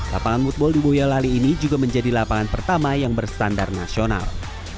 lapangan mootball di boyolali ini juga menjadi lapangan pertama yang berstandar nasional